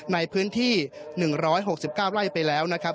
ในพื้นที่๑๖๙ไร่ไปแล้วนะครับ